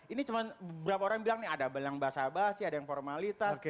ini cuma beberapa orang bilang nih ada yang basah basi ada yang formalitas